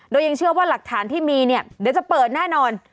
โดยยังเชื่อว่าหลักฐานที่มีเนี่ยเดี๋ยวจะเปิดแน่นอน